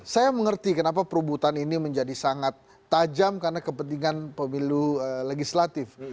saya mengerti kenapa perubutan ini menjadi sangat tajam karena kepentingan pemilu legislatif